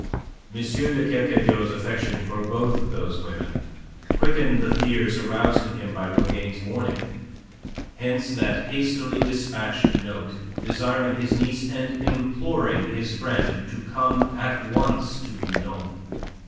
M. de Kercadiou's affection for both those women quickened the fears aroused in him by Rougane's warning. Hence that hastily dispatched note, desiring his niece and imploring his friend to come at once to Meudon.